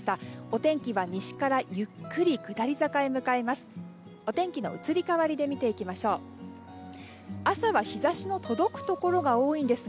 お天気は西からゆっくり下り坂へ向かいます。